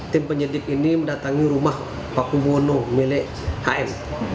tim penyidik ini mendatangi rumah pakuwono milik hm